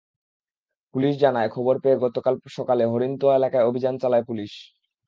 Police জানায়, খবর পেয়ে গতকাল সকালে হরিণতোয়া এলাকায় অভিযান চালায় পুলিশ।